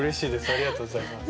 ありがとうございます。